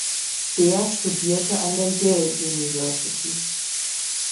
Behr studierte an der Yale University.